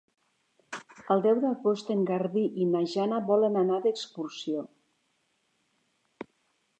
El deu d'agost en Garbí i na Jana volen anar d'excursió.